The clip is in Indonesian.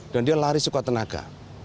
dan dia lari sekuat tenaga